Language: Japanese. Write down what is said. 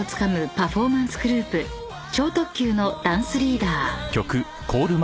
パフォーマンスグループ超特急のダンスリーダー］